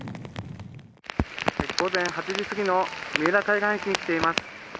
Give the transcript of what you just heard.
午前８時過ぎの三浦海岸駅に来ています。